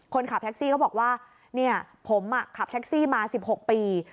คนขับแท็กซี่เขาบอกว่าผมขับแท็กซี่มา๑๖ปี